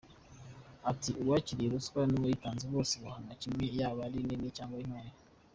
Ati”uwakiriye ruswa n’uwayitanze bose bahanwa kimwe yaba ari nini cyangwa ari ntoya,.